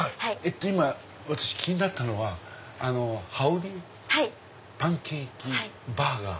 今私気になったのはハウオリパンケーキバーガー。